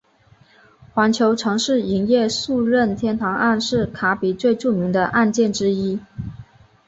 环球城市影业诉任天堂案是卡比最著名的案件之一。